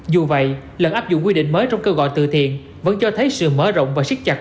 dù vậy lần áp dụng quy định mới trong kêu gọi từ thiện vẫn cho thấy sự mở rộng và siết chặt